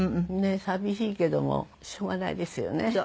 ねえ寂しいけどもしょうがないですよね。